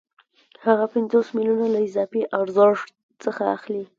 هغه پنځوس میلیونه له اضافي ارزښت څخه اخلي